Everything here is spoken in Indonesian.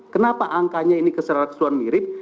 kenapa angkanya ini keseluruhan mirip